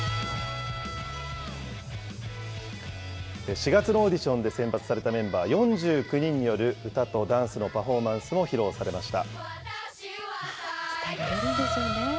４月のオーディションで選抜されたメンバー４９人による歌とダンスのパフォーマンスも披露されました。